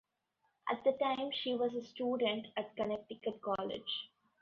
At the time, she was a student at Connecticut College.